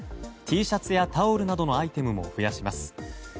Ｔシャツやタオルなどのアイテムも増やします。